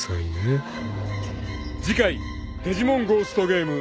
［次回『デジモンゴーストゲーム』］